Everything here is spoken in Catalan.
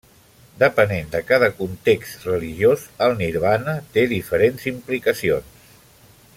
Depenent de cada context religiós, el nirvana té diferents implicacions.